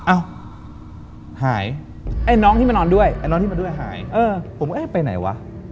อ้าวหายไอ้น้องที่มานอนด้วยหายผมก็ไปไหนวะ